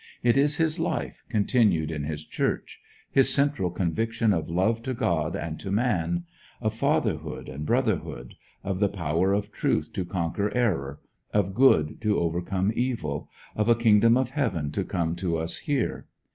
It is his life, continued in his Church; his central convictions of love to God and to man; of fatherhood and brotherhood; of the power of truth to conquer error, of good to overcome evil; of a Kingdom of Heaven to come to us here.